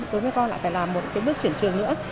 đối với con lại phải làm một cái bước chuyển trường nữa